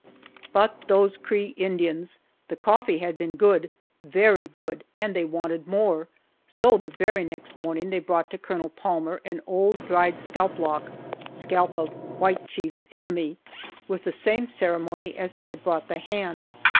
But those Cree Indians! The coffee had been good, very good, and they wanted more, so the very next morning they brought to Colonel Palmer an old dried scalp lock, scalp of "White Chief's enemy," with the same ceremony as they had brought the hand.